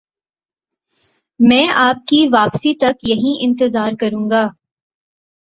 میں آپ کی واپسی تک یہیں انتظار کروں گا